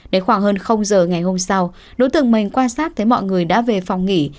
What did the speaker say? đến khoảng hơn giờ ngày hôm sau đối tượng mình quan sát thấy mọi người đã về phòng nghỉ